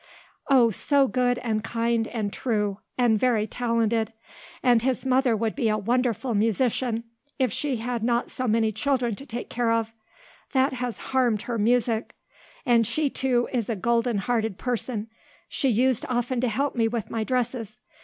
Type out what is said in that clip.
"Oh, so good and kind and true. And very talented. And his mother would be a wonderful musician if she had not so many children to take care of; that has harmed her music. And she, too, is a golden hearted person; she used often to help me with my dresses.